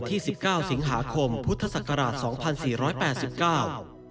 วันที่๑๙สิงหาคมพุทธศักราช๒๔๘๙